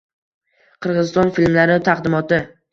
Qirg‘iziston filmlari taqdimoti